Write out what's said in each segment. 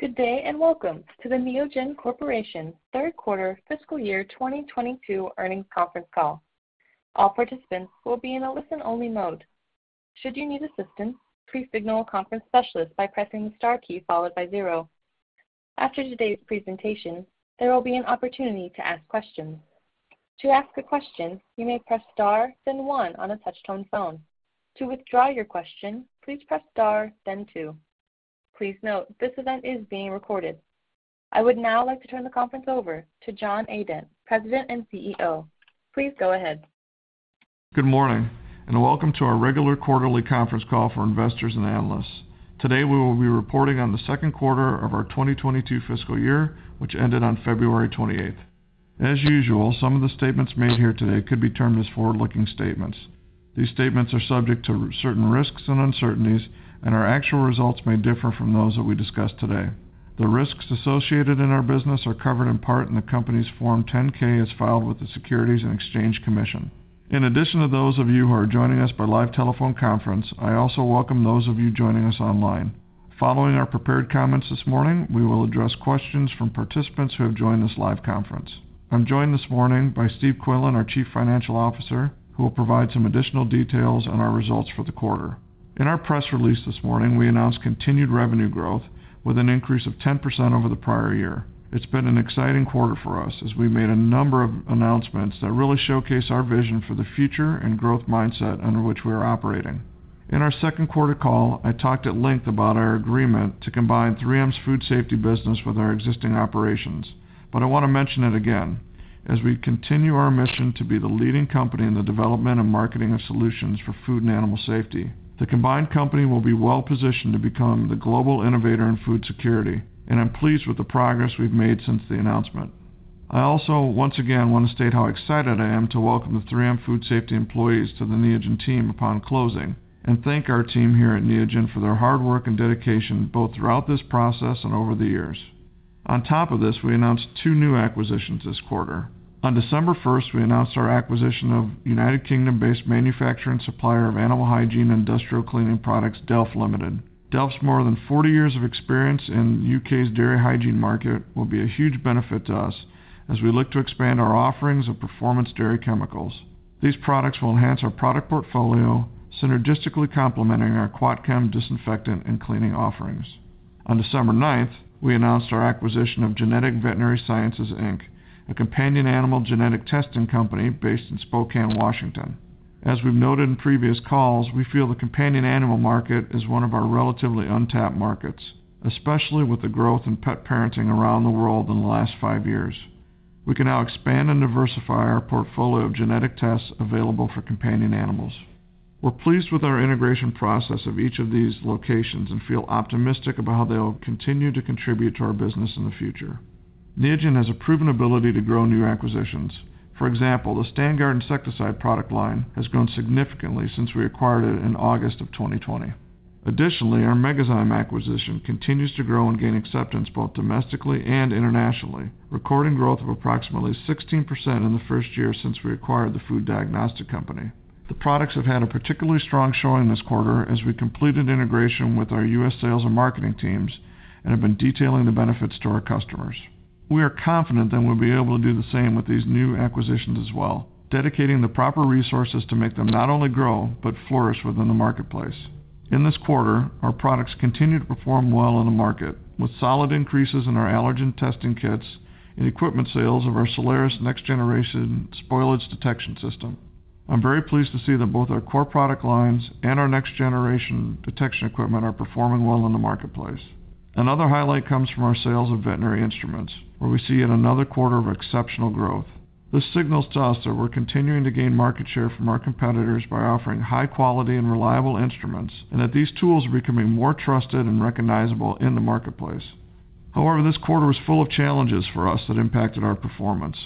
Good day, and welcome to the Neogen Corporation Third Quarter Fiscal Year 2022 Earnings Conference Call. All participants will be in a listen-only mode. Should you need assistance, please signal a conference specialist by pressing the star key followed by zero. After today's presentation, there will be an opportunity to ask questions. To ask a question, you may press star then one on a touch-tone phone. To withdraw your question, please press star then two. Please note, this event is being recorded. I would now like to turn the conference over to John Adent, President and CEO. Please go ahead. Good morning, and welcome to our regular quarterly conference call for investors and analysts. Today, we will be reporting on the second quarter of our 2022 fiscal year, which ended on February 28th. As usual, some of the statements made here today could be termed as forward-looking statements. These statements are subject to certain risks and uncertainties, and our actual results may differ from those that we discuss today. The risks associated in our business are covered in part in the company's Form 10-K, as filed with the Securities and Exchange Commission. In addition to those of you who are joining us by live telephone conference, I also welcome those of you joining us online. Following our prepared comments this morning, we will address questions from participants who have joined this live conference. I'm joined this morning by Steve Quinlan, our Chief Financial Officer, who will provide some additional details on our results for the quarter. In our press release this morning, we announced continued revenue growth, with an increase of 10% over the prior year. It's been an exciting quarter for us as we made a number of announcements that really showcase our vision for the future and growth mindset under which we are operating. In our second quarter call, I talked at length about our agreement to combine 3M's Food Safety business with our existing operations, but I wanna mention it again. As we continue our mission to be the leading company in the development and marketing of solutions for food and Animal Safety, the combined company will be well-positioned to become the global innovator in food security. I'm pleased with the progress we've made since the announcement. I also once again wanna state how excited I am to welcome the 3M Food Safety employees to the Neogen team upon closing and thank our team here at Neogen for their hard work and dedication, both throughout this process and over the years. On top of this, we announced two new acquisitions this quarter. On December 1st, we announced our acquisition of United Kingdom-based manufacturer and supplier of animal hygiene industrial cleaning products, Delf Ltd. Delf's more than 40 years of experience in U.K.'s dairy hygiene market will be a huge benefit to us as we look to expand our offerings of performance dairy chemicals. These products will enhance our product portfolio, synergistically complementing our Quat-Chem disinfectant and cleaning offerings. On December ninth, we announced our acquisition of Genetic Veterinary Sciences, Inc., a companion animal genetic testing company based in Spokane, Washington. As we've noted in previous calls, we feel the companion animal market is one of our relatively untapped markets, especially with the growth in pet parenting around the world in the last five years. We can now expand and diversify our portfolio of genetic tests available for companion animals. We're pleased with our integration process of each of these locations and feel optimistic about how they will continue to contribute to our business in the future. Neogen has a proven ability to grow new acquisitions. For example, the StandGuard insecticide product line has grown significantly since we acquired it in August 2020. Additionally, our Megazyme acquisition continues to grow and gain acceptance both domestically and internationally, recording growth of approximately 16% in the first year since we acquired the food diagnostic company. The products have had a particularly strong showing this quarter as we completed integration with our U.S. sales and marketing teams and have been detailing the benefits to our customers. We are confident that we'll be able to do the same with these new acquisitions as well, dedicating the proper resources to make them not only grow, but flourish within the marketplace. In this quarter, our products continued to perform well in the market, with solid increases in our allergen testing kits and equipment sales of our Soleris next-generation spoilage detection system. I'm very pleased to see that both our core product lines and our next-generation detection equipment are performing well in the marketplace. Another highlight comes from our sales of veterinary instruments, where we see yet another quarter of exceptional growth. This signals to us that we're continuing to gain market share from our competitors by offering high quality and reliable instruments and that these tools are becoming more trusted and recognizable in the marketplace. However, this quarter was full of challenges for us that impacted our performance.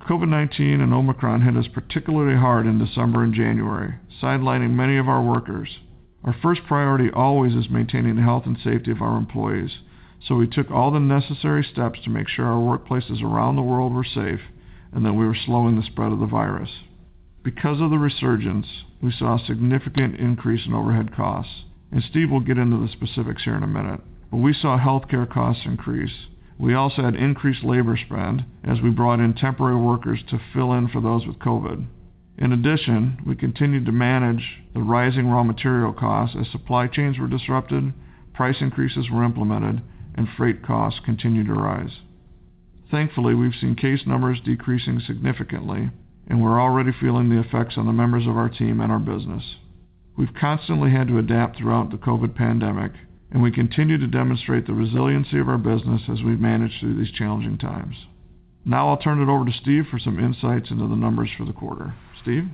COVID-19 and Omicron hit us particularly hard in December and January, sidelining many of our workers. Our first priority always is maintaining the health and safety of our employees, so we took all the necessary steps to make sure our workplaces around the world were safe and that we were slowing the spread of the virus. Because of the resurgence, we saw a significant increase in overhead costs, and Steve will get into the specifics here in a minute. We saw healthcare costs increase. We also had increased labor spend as we brought in temporary workers to fill in for those with COVID. In addition, we continued to manage the rising raw material costs as supply chains were disrupted, price increases were implemented, and freight costs continued to rise. Thankfully, we've seen case numbers decreasing significantly, and we're already feeling the effects on the members of our team and our business. We've constantly had to adapt throughout the COVID pandemic, and we continue to demonstrate the resiliency of our business as we manage through these challenging times. Now I'll turn it over to Steve for some insights into the numbers for the quarter. Steve?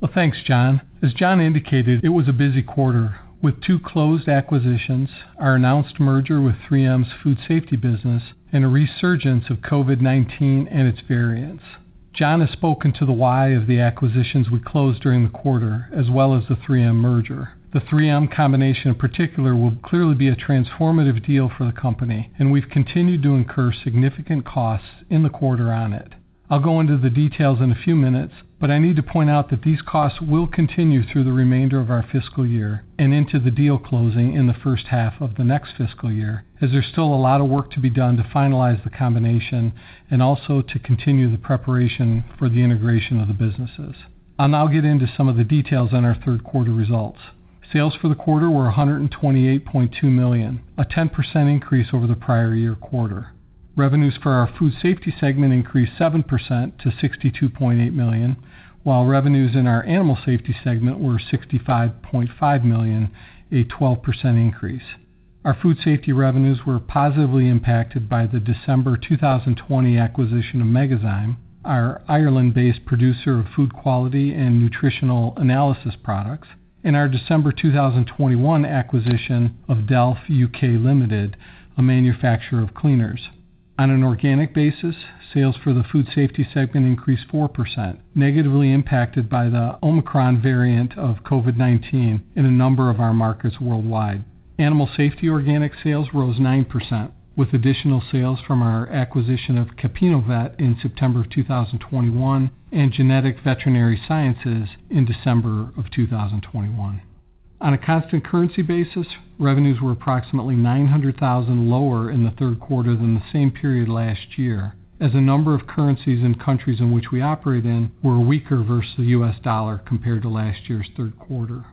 Well, thanks, John. As John indicated, it was a busy quarter with two closed acquisitions, our announced merger with 3M's Food Safety business, and a resurgence of COVID-19 and its variants. John has spoken to the why of the acquisitions we closed during the quarter, as well as the 3M merger. The 3M combination in particular will clearly be a transformative deal for the company, and we've continued to incur significant costs in the quarter on it. I'll go into the details in a few minutes, but I need to point out that these costs will continue through the remainder of our fiscal year and into the deal closing in the first half of the next fiscal year, as there's still a lot of work to be done to finalize the combination and also to continue the preparation for the integration of the businesses. I'll now get into some of the details on our third quarter results. Sales for the quarter were $128.2 million, a 10% increase over the prior year quarter. Revenues for our Food Safety segment increased 7% to $62.8 million, while revenues in our Animal Safety segment were $65.5 million, a 12% increase. Our Food Safety revenues were positively impacted by the December 2020 acquisition of Megazyme, our Ireland-based producer of food quality and nutritional analysis products, and our December 2021 acquisition of Delf (U.K.) Ltd., a manufacturer of cleaners. On an organic basis, sales for the Food Safety segment increased 4%, negatively impacted by the Omicron variant of COVID-19 in a number of our markets worldwide. Animal Safety organic sales rose 9%, with additional sales from our acquisition of CAPInnoVet, Inc. in September of 2021 and Genetic Veterinary Sciences in December of 2021. On a constant currency basis, revenues were approximately $900,000 lower in the third quarter than the same period last year, as a number of currencies in countries in which we operate in were weaker versus the U.S. dollar compared to last year's third quarter.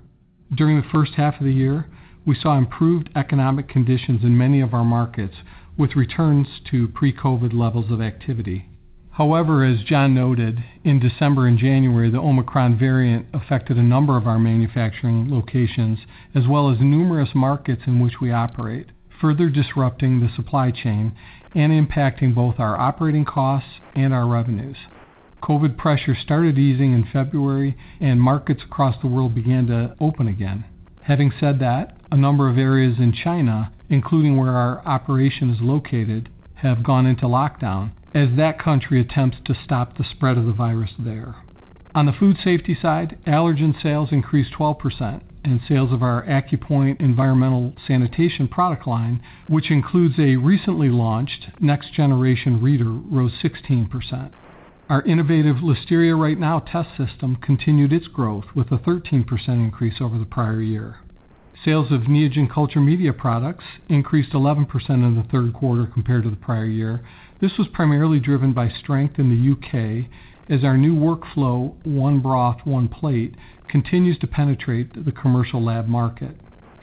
During the first half of the year, we saw improved economic conditions in many of our markets, with returns to pre-COVID levels of activity. However, as John noted, in December and January, the Omicron variant affected a number of our manufacturing locations as well as numerous markets in which we operate, further disrupting the supply chain and impacting both our operating costs and our revenues. COVID pressure started easing in February, and markets across the world began to open again. Having said that, a number of areas in China, including where our operation is located, have gone into lockdown as that country attempts to stop the spread of the virus there. On the Food Safety side, allergen sales increased 12% and sales of our AccuPoint environmental sanitation product line, which includes a recently launched next generation reader, rose 16%. Our innovative Listeria Right Now test system continued its growth with a 13% increase over the prior year. Sales of Neogen culture media products increased 11% in the third quarter compared to the prior year. This was primarily driven by strength in the U.K. as our new workflow, One Broth One Plate, continues to penetrate the commercial lab market.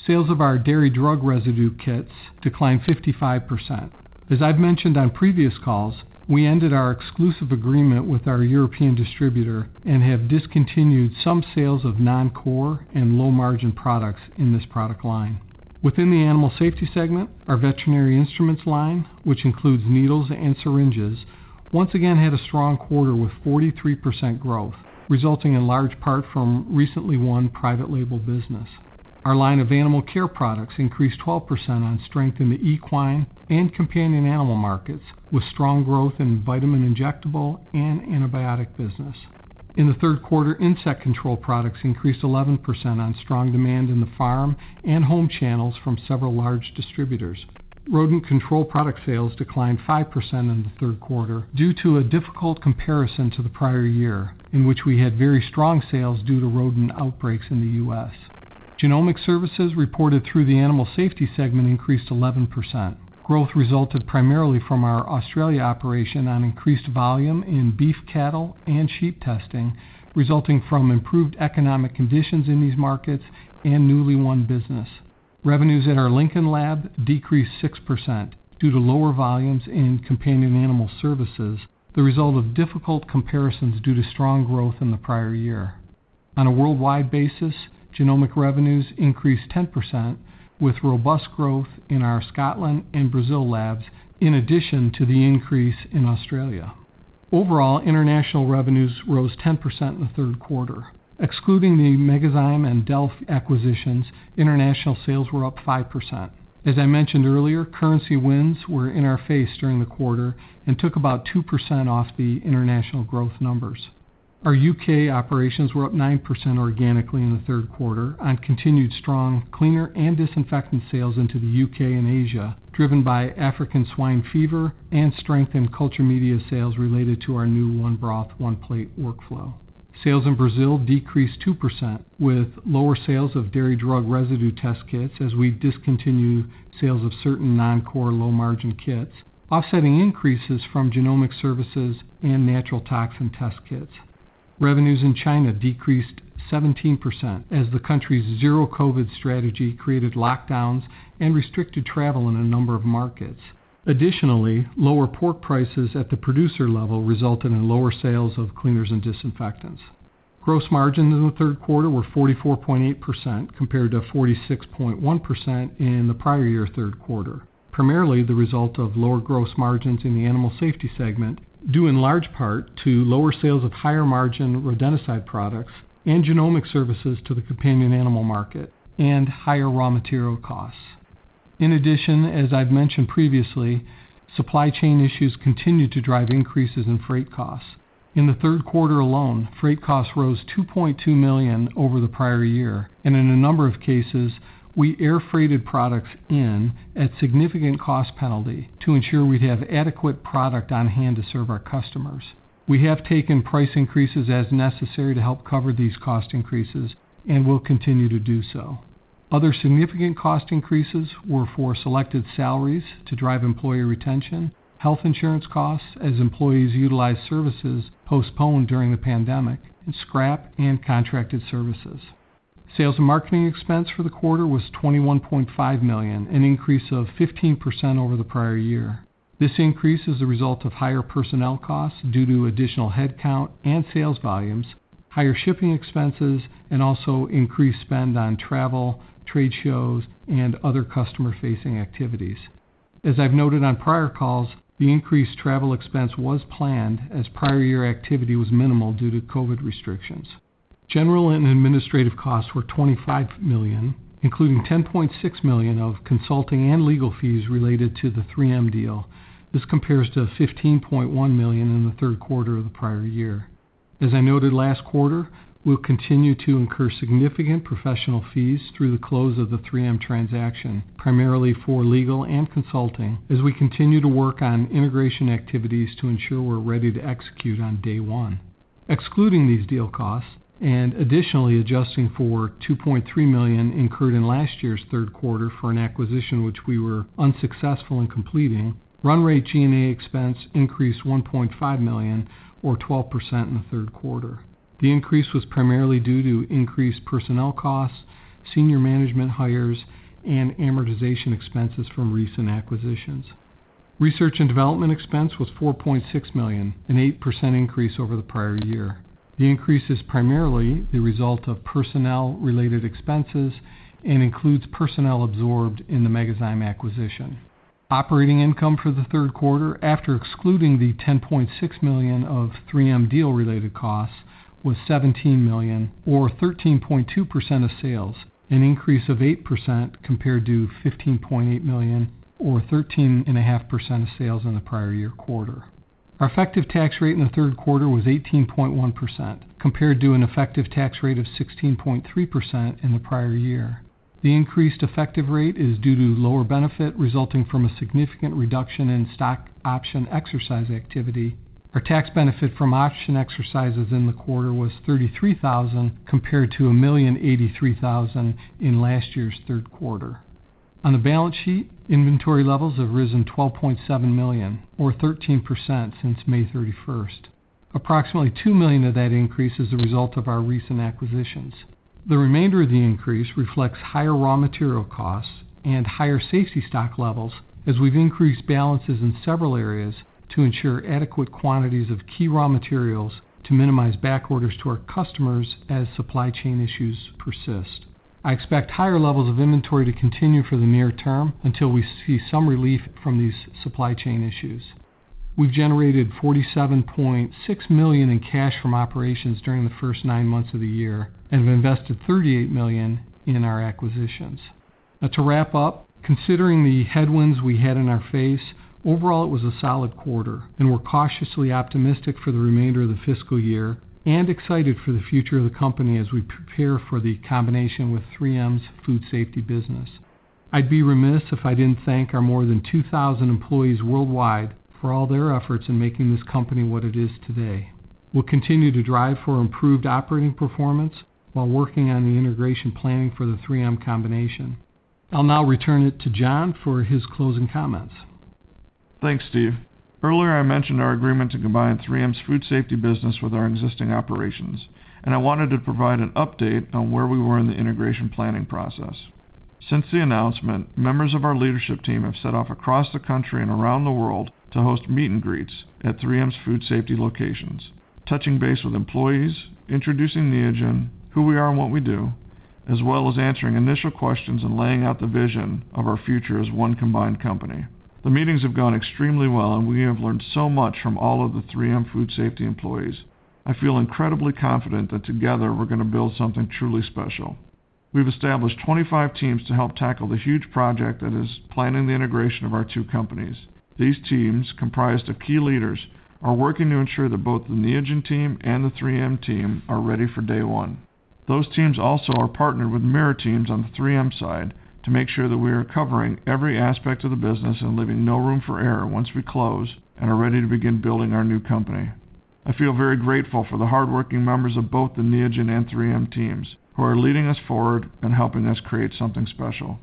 Sales of our dairy drug residue kits declined 55%. As I've mentioned on previous calls, we ended our exclusive agreement with our European distributor and have discontinued some sales of non-core and low-margin products in this product line. Within the Animal Safety segment, our veterinary instruments line, which includes needles and syringes, once again had a strong quarter with 43% growth, resulting in large part from recently won private label business. Our line of animal care products increased 12% on strength in the equine and companion animal markets, with strong growth in vitamin injectable and antibiotic business. In the third quarter, insect control products increased 11% on strong demand in the farm and home channels from several large distributors. Rodent control product sales declined 5% in the third quarter due to a difficult comparison to the prior year in which we had very strong sales due to rodent outbreaks in the U.S. Genomic services reported through the Animal Safety segment increased 11%. Growth resulted primarily from our Australia operation on increased volume in beef cattle and sheep testing, resulting from improved economic conditions in these markets and newly won business. Revenues in our Lincoln lab decreased 6% due to lower volumes in companion animal services, the result of difficult comparisons due to strong growth in the prior year. On a worldwide basis, genomic revenues increased 10%, with robust growth in our Scotland and Brazil labs in addition to the increase in Australia. Overall, international revenues rose 10% in the third quarter. Excluding the Megazyme and Delf acquisitions, international sales were up 5%. As I mentioned earlier, currency winds were in our face during the quarter and took about 2% off the international growth numbers. Our U.K. operations were up 9% organically in the third quarter on continued strong cleaner and disinfectant sales into the U.K. and Asia, driven by African swine fever and strength in culture media sales related to our new One Broth One Plate workflow. Sales in Brazil decreased 2%, with lower sales of dairy drug residue test kits as we've discontinued sales of certain non-core low-margin kits, offsetting increases from genomic services and natural toxin test kits. Revenues in China decreased 17% as the country's zero COVID-19 strategy created lockdowns and restricted travel in a number of markets. Additionally, lower pork prices at the producer level resulted in lower sales of cleaners and disinfectants. Gross margins in the third quarter were 44.8% compared to 46.1% in the prior year third quarter, primarily the result of lower gross margins in the Animal Safety segment, due in large part to lower sales of higher-margin rodenticide products and genomic services to the companion animal market and higher raw material costs. In addition, as I've mentioned previously, supply chain issues continue to drive increases in freight costs. In the third quarter alone, freight costs rose $2.2 million over the prior year, and in a number of cases, we air freighted products in at significant cost penalty to ensure we'd have adequate product on hand to serve our customers. We have taken price increases as necessary to help cover these cost increases and will continue to do so. Other significant cost increases were for selected salaries to drive employee retention, health insurance costs as employees utilized services postponed during the pandemic, and scrap and contracted services. Sales and marketing expense for the quarter was $21.5 million, an increase of 15% over the prior year. This increase is a result of higher personnel costs due to additional headcount and sales volumes, higher shipping expenses, and also increased spend on travel, trade shows, and other customer-facing activities. As I've noted on prior calls, the increased travel expense was planned as prior year activity was minimal due to COVID restrictions. General and administrative costs were $25 million, including $10.6 million of consulting and legal fees related to the 3M deal. This compares to $15.1 million in the third quarter of the prior year. As I noted last quarter, we'll continue to incur significant professional fees through the close of the 3M transaction, primarily for legal and consulting, as we continue to work on integration activities to ensure we're ready to execute on day one. Excluding these deal costs and additionally adjusting for $2.3 million incurred in last year's third quarter for an acquisition which we were unsuccessful in completing, run rate G&A expense increased $1.5 million or 12% in the third quarter. The increase was primarily due to increased personnel costs, senior management hires, and amortization expenses from recent acquisitions. Research and development expense was $4.6 million, an 8% increase over the prior year. The increase is primarily the result of personnel-related expenses and includes personnel absorbed in the Megazyme acquisition. Operating income for the third quarter, after excluding the $10.6 million of 3M deal-related costs, was $17 million or 13.2% of sales, an increase of 8% compared to $15.8 million or 13.5% of sales in the prior year quarter. Our effective tax rate in the third quarter was 18.1% compared to an effective tax rate of 16.3% in the prior year. The increased effective rate is due to lower benefit resulting from a significant reduction in stock option exercise activity. Our tax benefit from option exercises in the quarter was $33,000 compared to $1,083,000 in last year's third quarter. On the balance sheet, inventory levels have risen $12.7 million or 13% since May 31st. Approximately $2 million of that increase is the result of our recent acquisitions. The remainder of the increase reflects higher raw material costs and higher safety stock levels as we've increased balances in several areas to ensure adequate quantities of key raw materials to minimize back orders to our customers as supply chain issues persist. I expect higher levels of inventory to continue for the near term until we see some relief from these supply chain issues. We've generated $47.6 million in cash from operations during the first nine months of the year and have invested $38 million in our acquisitions. Now to wrap up, considering the headwinds we had in our face, overall, it was a solid quarter, and we're cautiously optimistic for the remainder of the fiscal year and excited for the future of the company as we prepare for the combination with 3M's Food Safety business. I'd be remiss if I didn't thank our more than 2,000 employees worldwide for all their efforts in making this company what it is today. We'll continue to drive for improved operating performance while working on the integration planning for the 3M combination. I'll now return it to John for his closing comments. Thanks, Steve. Earlier, I mentioned our agreement to combine 3M's Food Safety business with our existing operations, and I wanted to provide an update on where we were in the integration planning process. Since the announcement, members of our leadership team have set off across the country and around the world to host meet and greets at 3M's Food Safety locations, touching base with employees, introducing Neogen, who we are and what we do, as well as answering initial questions and laying out the vision of our future as one combined company. The meetings have gone extremely well, and we have learned so much from all of the 3M Food Safety employees. I feel incredibly confident that together we're gonna build something truly special. We've established 25 teams to help tackle the huge project that is planning the integration of our two companies. These teams, comprised of key leaders, are working to ensure that both the Neogen team and the 3M team are ready for day one. Those teams also are partnered with mirror teams on the 3M side to make sure that we are covering every aspect of the business and leaving no room for error once we close and are ready to begin building our new company. I feel very grateful for the hardworking members of both the Neogen and 3M teams who are leading us forward and helping us create something special.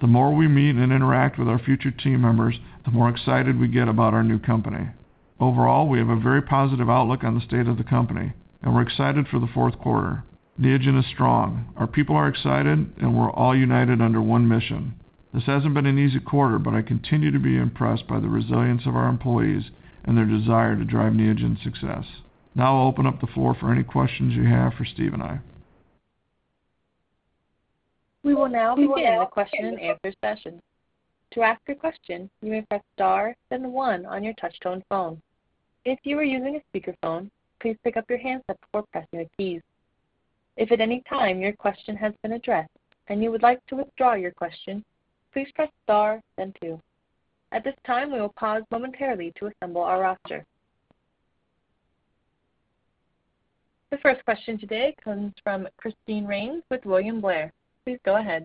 The more we meet and interact with our future team members, the more excited we get about our new company. Overall, we have a very positive outlook on the state of the company, and we're excited for the fourth quarter. Neogen is strong. Our people are excited, and we're all united under one mission. This hasn't been an easy quarter, but I continue to be impressed by the resilience of our employees and their desire to drive Neogen's success. Now I'll open up the floor for any questions you have for Steve and I. We will now begin the question and answer session. To ask a question, you may press star, then one on your touchtone phone. If you are using a speakerphone, please pick up your handset before pressing the keys. If at any time your question has been addressed and you would like to withdraw your question, please press star then two. At this time, we will pause momentarily to assemble our roster. The first question today comes from Christine Rains with William Blair. Please go ahead.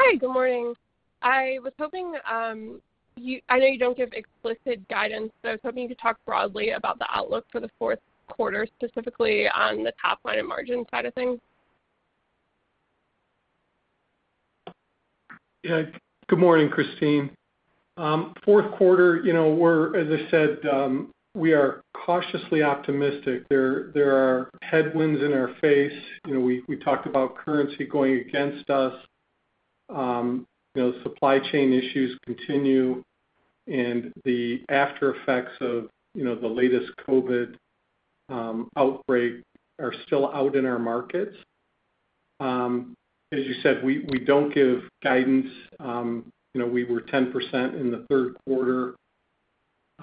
Hi. Good morning. I was hoping, I know you don't give explicit guidance, so I was hoping you could talk broadly about the outlook for the fourth quarter, specifically on the top line and margin side of things. Yeah. Good morning, Christine. Fourth quarter, you know, as I said, we are cautiously optimistic. There are headwinds in our face. You know, we talked about currency going against us. You know, supply chain issues continue. The aftereffects of, you know, the latest COVID outbreak are still out in our markets. As you said, we don't give guidance. You know, we were 10% in the third quarter.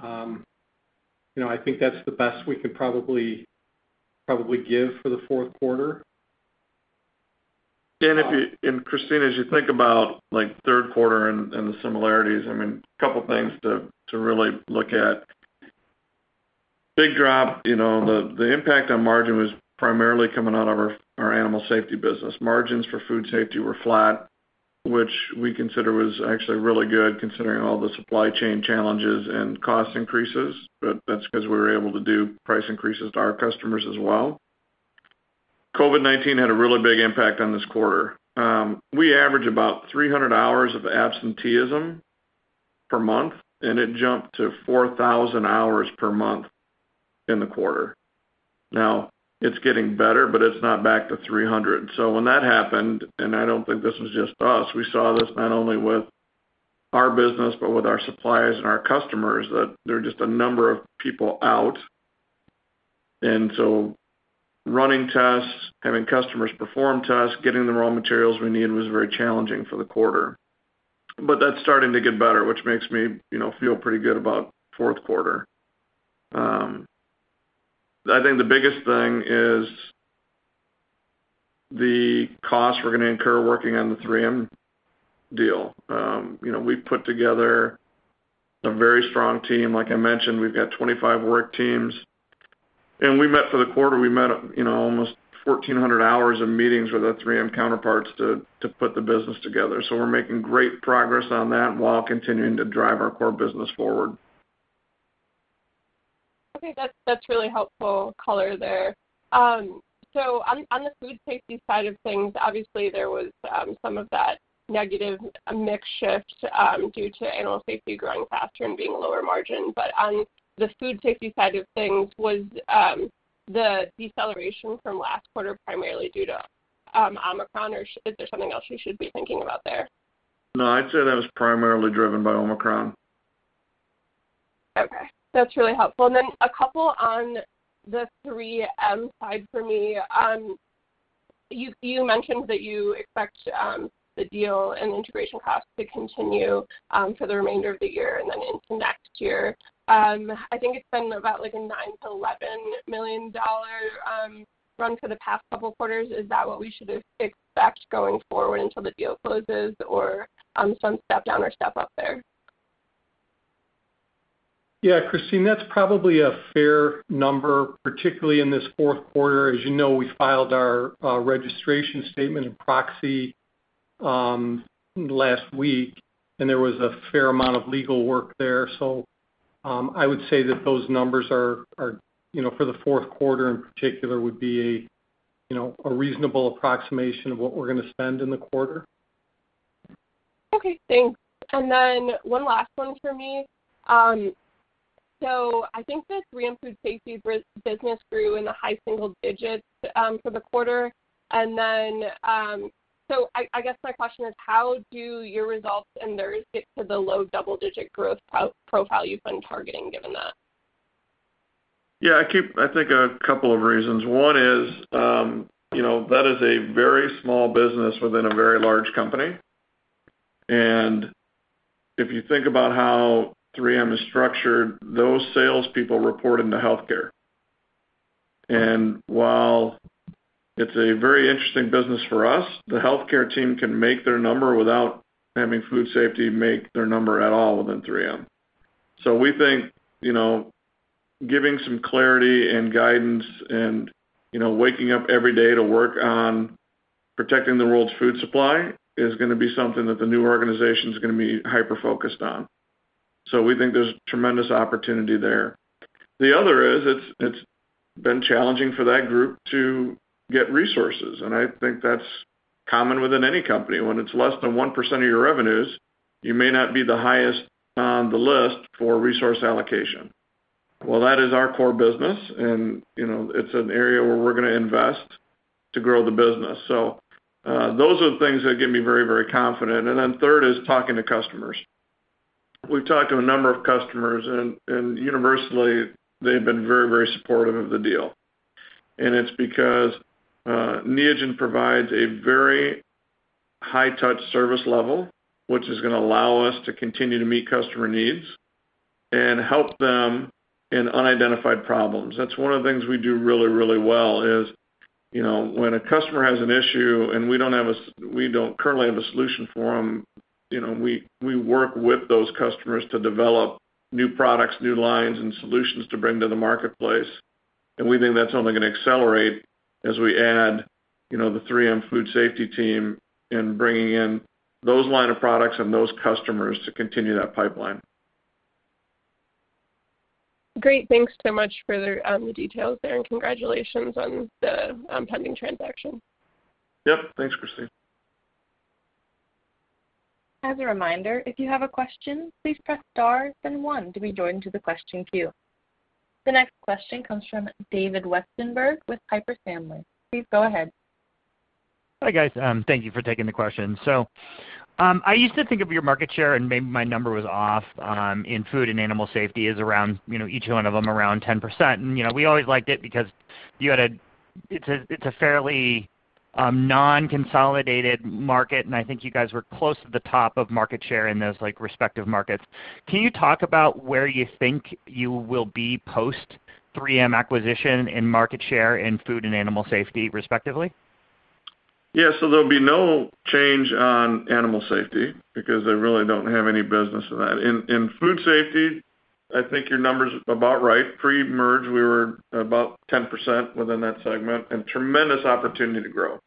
You know, I think that's the best we could probably give for the fourth quarter. Christine, as you think about, like, third quarter and the similarities, I mean, a couple things to really look at. Big drop. You know, the impact on margin was primarily coming out of our Animal Safety business. Margins for Food Safety were flat, which we consider was actually really good considering all the supply chain challenges and cost increases. But that's 'cause we were able to do price increases to our customers as well. COVID-19 had a really big impact on this quarter. We average about 300 hours of absenteeism per month, and it jumped to 4,000 hours per month in the quarter. Now, it's getting better, but it's not back to 300. When that happened, and I don't think this was just us, we saw this not only with our business, but with our suppliers and our customers, that there are just a number of people out. Running tests, having customers perform tests, getting the raw materials we need was very challenging for the quarter. That's starting to get better, which makes me, you know, feel pretty good about fourth quarter. I think the biggest thing is the cost we're gonna incur working on the 3M deal. You know, we've put together a very strong team. Like I mentioned, we've got 25 work teams. We met for the quarter, you know, almost 1400 hours of meetings with our 3M counterparts to put the business together. We're making great progress on that while continuing to drive our core business forward. Okay. That's really helpful color there. On the Food Safety side of things, obviously there was some of that negative mix shift due to Animal Safety growing faster and being lower margin. On the Food Safety side of things, was the deceleration from last quarter primarily due to Omicron, or is there something else we should be thinking about there? No, I'd say that was primarily driven by Omicron. Okay. That's really helpful. Then a couple on the 3M side for me. You mentioned that you expect the deal and integration costs to continue for the remainder of the year and then into next year. I think it's been about, like a $9 million-$11 million run for the past couple quarters. Is that what we should expect going forward until the deal closes, or some step down or step up there? Yeah. Christine, that's probably a fair number, particularly in this fourth quarter. As you know, we filed our registration statement and proxy last week, and there was a fair amount of legal work there. I would say that those numbers are you know for the fourth quarter in particular would be a you know a reasonable approximation of what we're gonna spend in the quarter. Okay, thanks. One last one for me. I think the 3M Food Safety business grew in the high single digits for the quarter. I guess my question is: How do your results and theirs get to the low double-digit growth profile you've been targeting, given that? Yeah. I think a couple of reasons. One is, you know, that is a very small business within a very large company. If you think about how 3M is structured, those salespeople report into Healthcare. While it's a very interesting business for us, the Healthcare team can make their number without having Food Safety make their number at all within 3M. We think, you know, giving some clarity and guidance and, you know, waking up every day to work on protecting the world's food supply is gonna be something that the new organization's gonna be hyper-focused on. We think there's tremendous opportunity there. The other is, it has been challenging for that group to get resources, and I think that's common within any company. When it's less than 1% of your revenues, you may not be the highest on the list for resource allocation. Well, that is our core business and, you know, it's an area where we're gonna invest to grow the business. Those are the things that get me very, very confident. Third is talking to customers. We've talked to a number of customers and universally, they've been very, very supportive of the deal. It's because Neogen provides a very high-touch service level, which is going to allow us to continue to meet customer needs and help them identify problems. That's one of the things we do really, really well is, you know, when a customer has an issue and we don't currently have a solution for them, you know, we work with those customers to develop new products, new lines, and solutions to bring to the marketplace. We think that's only going to accelerate as we add, you know, the 3M Food Safety team in bringing in those line of products and those customers to continue that pipeline. Great. Thanks so much for the details there, and congratulations on the pending transaction. Yep. Thanks, Christine. As a reminder, if you have a question, please press star then one to be joined to the question queue. The next question comes from David Westenberg with Piper Sandler. Please go ahead. Hi, guys. Thank you for taking the question. I used to think of your market share, and maybe my number was off, in Food Safety and Animal Safety is around, you know, each one of them around 10%. You know, we always liked it because it's a fairly non-consolidated market, and I think you guys were close to the top of market share in those, like, respective markets. Can you talk about where you think you will be post-3M acquisition in market share in Food Safety and Animal Safety, respectively? Yeah. There'll be no change on Animal Safety because they really don't have any business in that. In Food Safety, I think your number's about right. Pre-merge, we were about 10% within that segment, and tremendous opportunity to grow,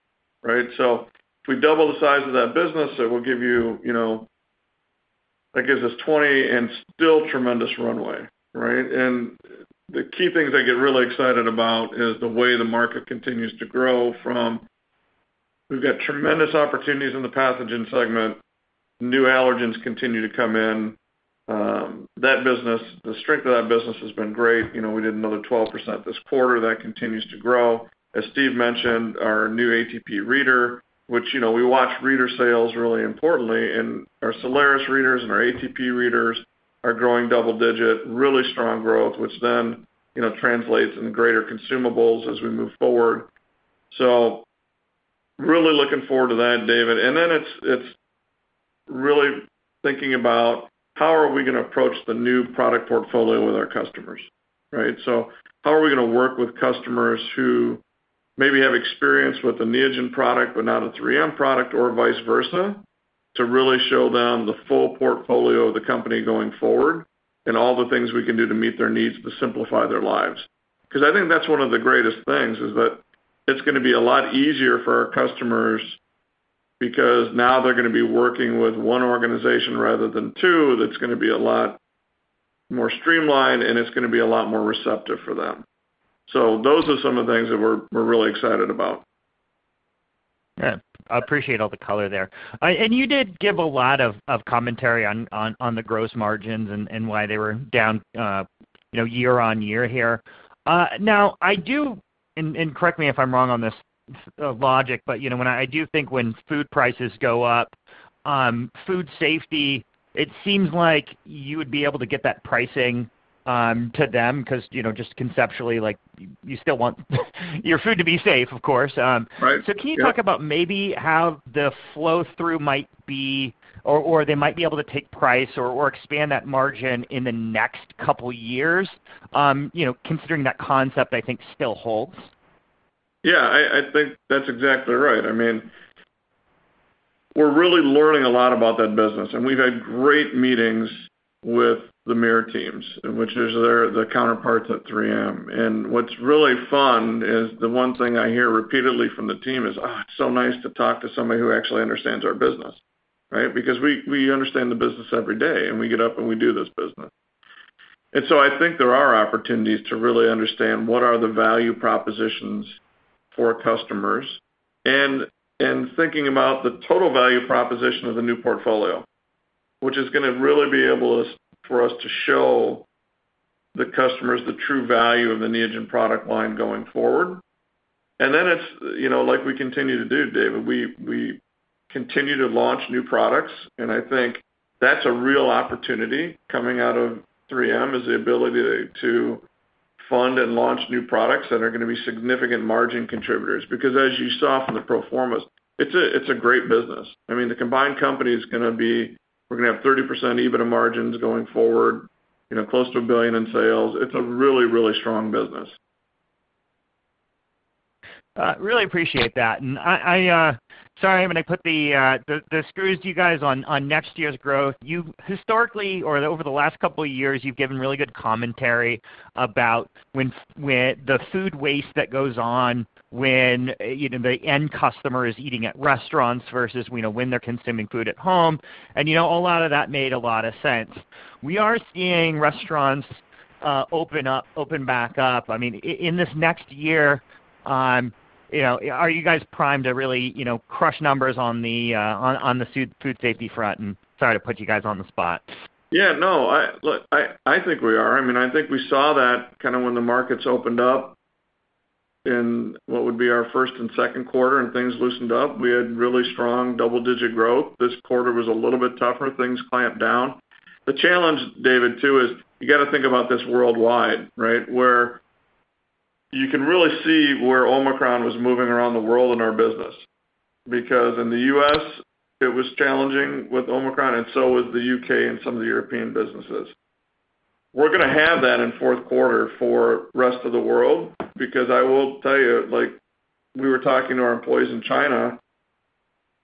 right? If we double the size of that business, it will give you know. That gives us 20% and still tremendous runway, right? The key things I get really excited about is the way the market continues to grow. We've got tremendous opportunities in the pathogen segment. New allergens continue to come in. That business, the strength of that business has been great. You know, we did another 12% this quarter. That continues to grow. As Steve mentioned, our new ATP reader, which, you know, we watch reader sales really importantly, and our Soleris readers and our ATP readers are growing double-digit, really strong growth, which then, you know, translates into greater consumables as we move forward. Really looking forward to that, David. Then it's really thinking about how are we gonna approach the new product portfolio with our customers, right? How are we gonna work with customers who maybe have experience with a Neogen product but not a 3M product or vice versa, to really show them the full portfolio of the company going forward and all the things we can do to meet their needs to simplify their lives. 'Cause I think that's one of the greatest things is that it's gonna be a lot easier for our customers because now they're gonna be working with one organization rather than two, that's gonna be a lot more streamlined, and it's gonna be a lot more receptive for them. Those are some of the things that we're really excited about. Yeah. I appreciate all the color there. You did give a lot of commentary on the gross margins and why they were down, you know, year-over-year here. Now, correct me if I'm wrong on this logic, but you know, I do think when food prices go up, Food Safety, it seems like you would be able to get that pricing to them 'cause, you know, just conceptually like you still want your food to be safe, of course. Right. Yep. Can you talk about maybe how the flow through might be or they might be able to take price or expand that margin in the next couple years, you know, considering that concept I think still holds? Yeah. I think that's exactly right. I mean, we're really learning a lot about that business, and we've had great meetings with the 3M teams, which are the counterparts at 3M. What's really fun is the one thing I hear repeatedly from the team is, "Oh, it's so nice to talk to somebody who actually understands our business," right? Because we understand the business every day, and we get up and we do this business. I think there are opportunities to really understand what are the value propositions for customers and thinking about the total value proposition of the new portfolio, which is gonna really be for us to show the customers the true value of the Neogen product line going forward. It's, you know, like we continue to do, David, we continue to launch new products. I think that's a real opportunity coming out of 3M, is the ability to fund and launch new products that are gonna be significant margin contributors. Because as you saw from the pro formas, it's a great business. I mean, the combined company is gonna be, we're gonna have 30% EBITDA margins going forward, you know, close to $1 billion in sales. It's a really, really strong business. Really appreciate that. Sorry, I'm gonna put the screws to you guys on next year's growth. You've historically or over the last couple of years, you've given really good commentary about when the food waste that goes on when, you know, the end customer is eating at restaurants versus, you know, when they're consuming food at home. You know, a lot of that made a lot of sense. We are seeing restaurants open up, open back up. I mean, in this next year, you know, are you guys primed to really, you know, crush numbers on the Food Safety front? Sorry to put you guys on the spot. Yeah, no. Look, I think we are. I mean, I think we saw that kind of when the markets opened up in what would be our first and second quarter and things loosened up. We had really strong double-digit growth. This quarter was a little bit tougher. Things clamped down. The challenge, David, too, is you got to think about this worldwide, right? You can really see where Omicron was moving around the world in our business because in the U.S. it was challenging with Omicron, and so was the U.K. and some of the European businesses. We're gonna have that in fourth quarter for rest of the world because I will tell you, like, we were talking to our employees in China,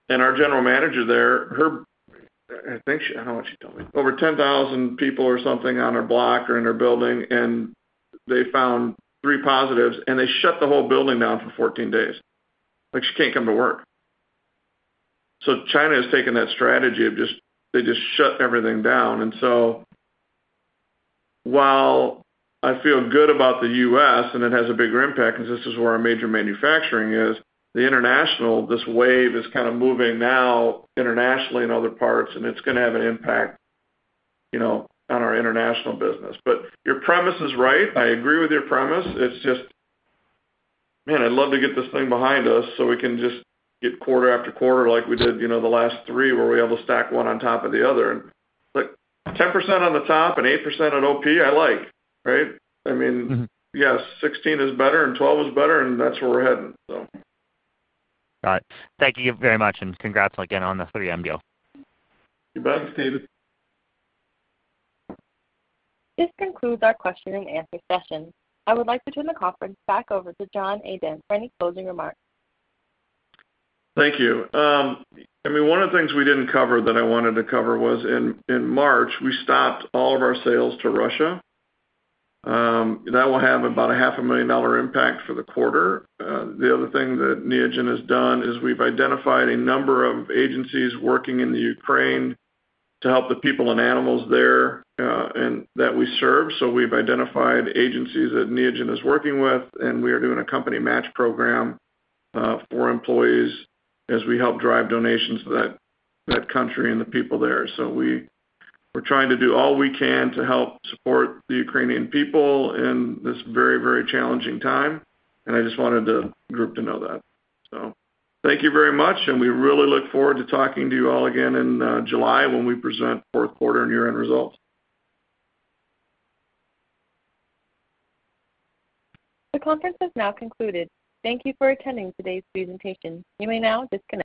and our general manager there. I think she. I don't know what she told me. Over 10,000 people or something on her block or in her building, and they found three positives, and they shut the whole building down for 14 days. Like, she can't come to work. China has taken that strategy of just, they just shut everything down. While I feel good about the U.S., and it has a bigger impact 'cause this is where our major manufacturing is, the international, this wave is kinda moving now internationally in other parts, and it's gonna have an impact, you know, on our international business. Your premise is right. I agree with your premise. It's just. Man, I'd love to get this thing behind us so we can just get quarter after quarter like we did, you know, the last three where we're able to stack one on top of the other. 10% on the top and 8% on OP, I like, right? I mean. Mm-hmm. Yes, 16 is better and 12 is better, and that's where we're heading, so. Got it. Thank you very much, and congrats again on the 3M deal. You bet, David Westenberg. This concludes our question-and-answer session. I would like to turn the conference back over to John Adent for any closing remarks. Thank you. I mean, one of the things we didn't cover that I wanted to cover was in March, we stopped all of our sales to Russia. That will have about a $500,000 impact for the quarter. The other thing that Neogen has done is we've identified a number of agencies working in Ukraine to help the people and animals there, and that we serve. We've identified agencies that Neogen is working with, and we are doing a company match program, for employees as we help drive donations to that country and the people there. We're trying to do all we can to help support the Ukrainian people in this very, very challenging time. I just wanted the group to know that. Thank you very much, and we really look forward to talking to you all again in July when we present fourth quarter and year-end results. The conference has now concluded. Thank you for attending today's presentation. You may now disconnect.